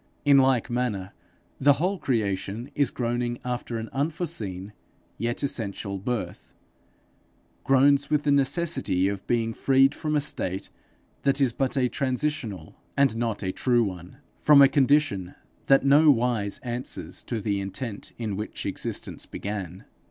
In like manner the whole creation is groaning after an unforeseen yet essential birth groans with the necessity of being freed from a state that is but a transitional and not a true one, from a condition that nowise answers to the intent in which existence began.